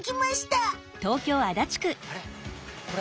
あれ？